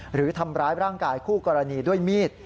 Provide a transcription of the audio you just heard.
หรือทำร้ายร่างกายคู่กรณีด้วยมีด